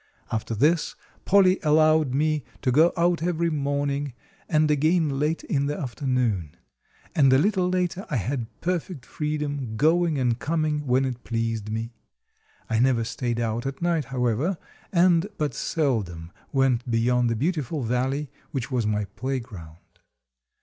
After this Polly allowed me to go out every morning, and again late in the afternoon; and a little later I had perfect freedom, going and coming when it pleased me. I never stayed out at night, however, and but seldom went beyond the beautiful valley, which was my playground.